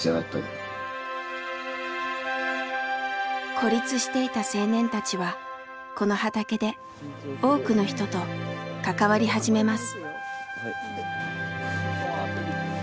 孤立していた青年たちはこの畑で多くの人と関わり始めます。